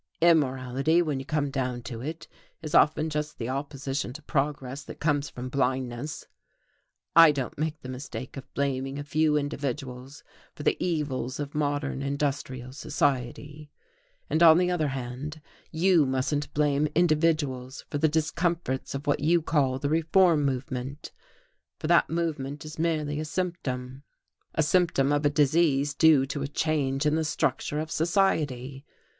Immorality, when you come down to it, is often just the opposition to progress that comes from blindness. I don't make the mistake of blaming a few individuals for the evils of modern industrial society, and on the other hand you mustn't blame individuals for the discomforts of what you call the reform movement, for that movement is merely a symptom a symptom of a disease due to a change in the structure of society.